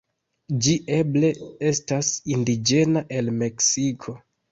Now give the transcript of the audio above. Ĝi eble estas indiĝena el Meksiko.